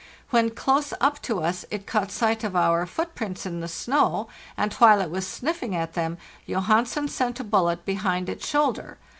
When close up to us it caught sight of our footprints in the snow, and while it was sniffing at them Johansen sent a_ bullet behind its shoulder.